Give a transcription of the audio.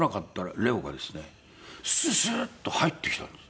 ススッと入ってきたんです。